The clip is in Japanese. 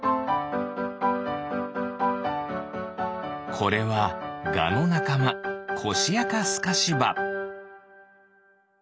これはガのなかまコシアカスカシバ。